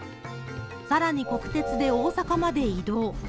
さらに国鉄で大阪まで移動。